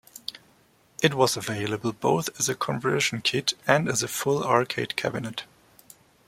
It was available both as a conversion kit and as a full arcade cabinet.